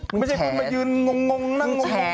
ไม่ใช่คุณมายืนงงนั่งงง